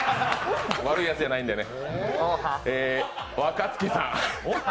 悪いやつじゃないんでね。